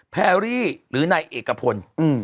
แพรรี่หรือนายเอกพล